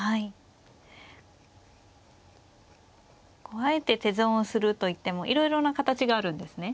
こうあえて手損をするといってもいろいろな形があるんですね。